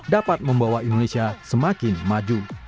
dapat membawa indonesia semakin maju